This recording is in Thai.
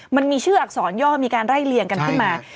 มันมีชื่ออักษรย่อมีการไล่เลี่ยงกันขึ้นมา